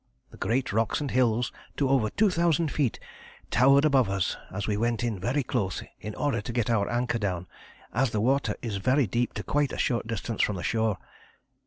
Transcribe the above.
The great rocks and hills to over 2000 feet towered above us as we went in very close in order to get our anchor down, as the water is very deep to quite a short distance from the shore.